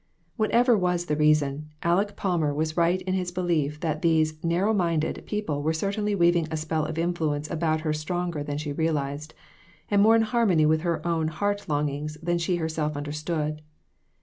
Whatever was the reason, Aleck Palmer was right in his belief that these "narrow minded" people were certainly weaving a spelf of influence about her stronger than she realized, and more in harmony with her own heart longings than she herself understood.